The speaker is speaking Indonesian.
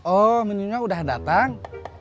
oh minumnya udah datang